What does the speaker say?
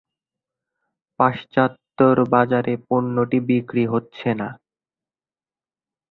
পাশ্চাত্যের বাজারে পণ্যটি বিক্রি হচ্ছে না।